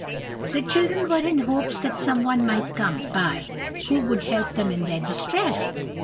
The children were in hopes that some one might come by who would help them in their distress.